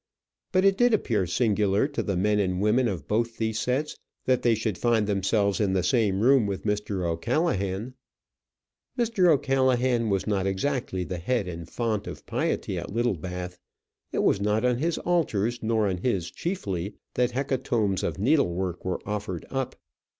But it did appear singular to the men and women of both these sets that they should find themselves in the same room with Mr. O'Callaghan. Mr. O'Callaghan was not exactly the head and font of piety at Littlebath. It was not on his altars, not on his chiefly, that hecatombs of needlework were offered up.